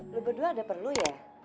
lo berdua ada perlu ya